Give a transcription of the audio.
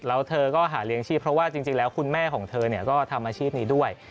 แล้วเธอก็หาเลี้ยงชีพเพราะว่าจริงแล้วคุณแม่ของเธอก็ทำอาชีพนี้ด้วย